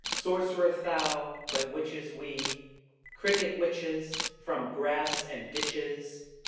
Sorcerer thou, but Witches we Cricket Witches, from grass and ditches.